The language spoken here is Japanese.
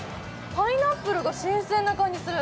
パイナップルが新鮮な感じする。